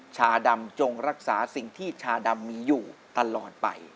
ชาดำจงรักษาสิ่งที่ชาดำมีอยู่ตลอดไป